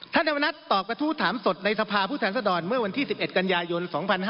นวณัฐตอบกระทู้ถามสดในสภาพผู้แทนสดรเมื่อวันที่๑๑กันยายน๒๕๕๙